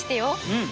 うん。